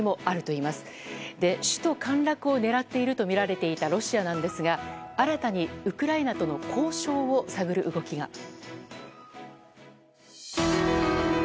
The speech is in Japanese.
そして首都陥落を狙っていたとみられていたロシアなんですが新たにウクライナとの交渉を探る動きが。